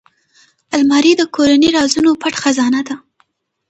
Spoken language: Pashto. الماري د کورنۍ رازونو پټ خزانه ده